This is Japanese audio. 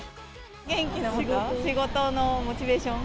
元気のもと、仕事のモチベーション。